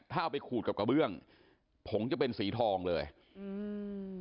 ถ้าเอาไปขูดกับกระเบื้องผงจะเป็นสีทองเลยอืม